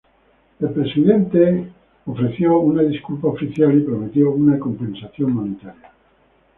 El presidente Bill Clinton ofreció una disculpa oficial, y prometió una compensación monetaria.